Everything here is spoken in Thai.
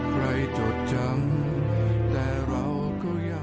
ขออย่าให้ท่านไปสู่พวกผมที่ดี